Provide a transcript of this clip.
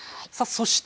そして。